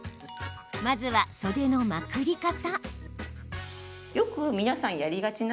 まずは、袖のまくり方。